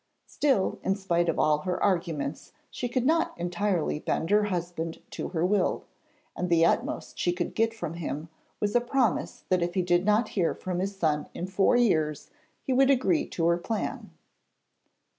Still, in spite of all her arguments, she could not entirely bend her husband to her will; and the utmost she could get from him was a promise that if he did not hear from his son in four years he would agree to her plan.